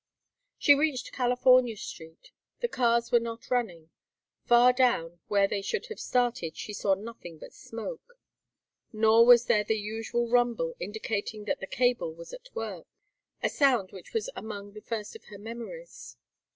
She reached California Street. The cars were not running. Far down where they should have started she saw nothing but smoke. Nor was there the usual rumble indicating that the cable was at work, a sound which was among the first of her memories.